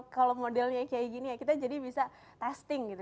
kalau modelnya kayak gini ya kita jadi bisa testing gitu